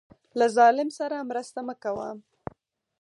له ظالم سره مرسته مه کوه.